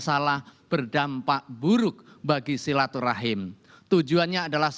dalam kehidupi indonesia kita bukannya berusaha